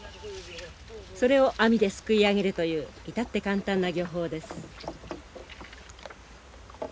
それを網ですくい上げるという至って簡単な漁法です。